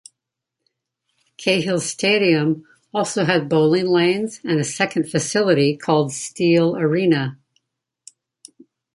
Cahill Stadium also had bowling lanes and a second facility called Steele Arena.